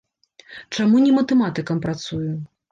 Чаму не матэматыкам працую?